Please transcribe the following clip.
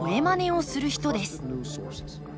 まねをする人です